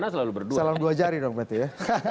salam dua jari dong berarti ya